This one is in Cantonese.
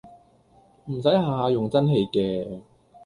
唔駛下下用真氣嘅